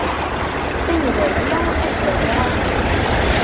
Qqim dayi, ad k-d-awiɣ aman.